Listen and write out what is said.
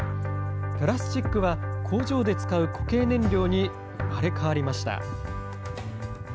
プラスチックは工場で使う固形燃料に生まれ変わりました。